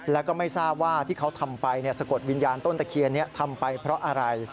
แล้วก็ไม่ทราบว่าที่เขาทำไปสะกดวิญญาณต้นตะเคียนทำไปเพราะอะไร